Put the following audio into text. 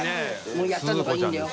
もうやったんだからいいんだよ。